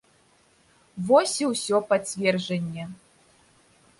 Вось і ўсё пацверджанне.